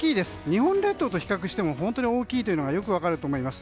日本列島と比較しても本当に大きいというのがよく分かると思います。